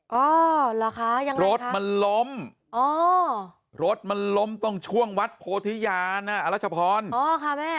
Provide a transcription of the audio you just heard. อ๋อเหรอคะยังไงรถมันล้มอ๋อรถมันล้มตรงช่วงวัดโพธิญาณอรัชพรอ๋อค่ะแม่